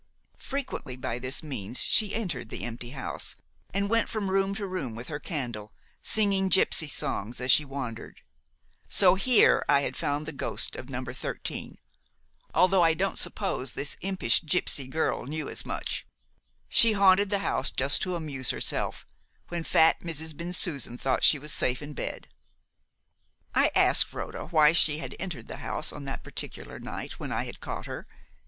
Frequently by this means she entered the empty house, and went from room to room with her candle, singing gypsy songs as she wandered. So here I had found the ghost of No. 13, although I don't suppose this impish gypsy girl knew as much. She haunted the house just to amuse herself, when fat Mrs. Bensusan thought she was safe in bed. "I asked Rhoda why she had entered the house on that particular night when I had caught her.